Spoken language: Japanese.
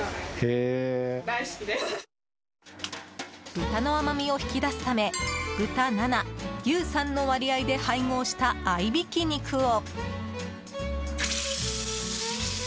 豚の甘みを引き出すため豚７、牛３の割合で配合した合いびき肉を。